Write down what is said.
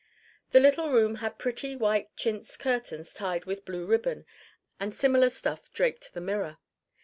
The little room had pretty, white chintz curtains tied with blue ribbon, and similar stuff draped the mirror.